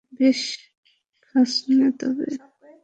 বেশ, খাসনে তবে।